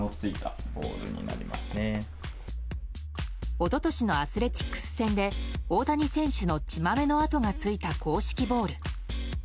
一昨年のアスレチックス戦で大谷選手の血まめの痕がついた硬式ボール。